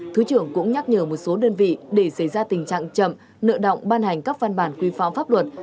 thứ trưởng cũng nhắc nhở một số đơn vị để xảy ra tình trạng chậm nợ động ban hành các văn bản quy phạm pháp luật